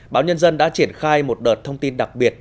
báo nhân dân đã triển khai một đợt thông tin đặc biệt